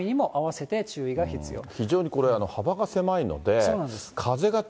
強風、非常にこれ、幅が狭いので風